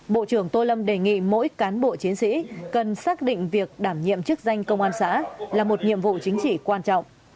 bộ trưởng tô lâm đề nghị mỗi cán bộ chiến sĩ cần xác định việc đảm nhiệm chức danh công an xã là một nhiệm vụ chính trị quan trọng